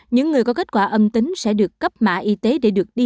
những người có kết quả âm tính sẽ được cấp mã y tế để được đi